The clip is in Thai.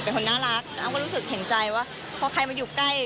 เป็นคนน่ารักอ้ำก็รู้สึกเห็นใจว่าพอใครมาอยู่ใกล้